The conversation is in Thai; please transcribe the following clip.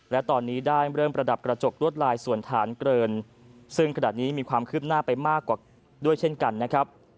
และตอนนี้ได้เริ่มประดับกระจกลวดลายส่วนฐานเกินซึ่งขณะนี้มีความคืบหน้าไปมากกว่าด้วยเช่นกันนะครับ